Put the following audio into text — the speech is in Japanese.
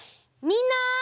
みんな！